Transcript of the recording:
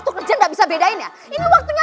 tapi jaki bisa berubah untukiahunya